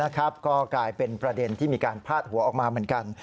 ก็กลายเป็นประเด็นที่มีการพาดหัวออกมาเหมือนกัน